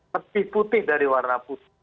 lebih putih dari warna putih